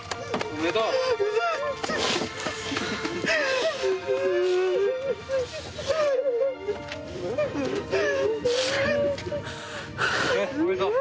・おめでとう。